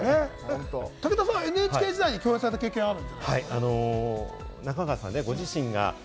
武田さんはＮＨＫ時代に共演されたことがある？